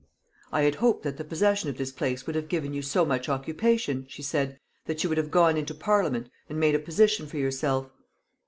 "I had hoped that the possession of this place would have given you so much occupation," she said, "that you would have gone into parliament and made a position for yourself."